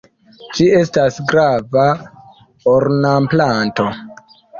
Ĝi estas grava ornamplanto.